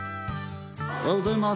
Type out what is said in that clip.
おはようございます。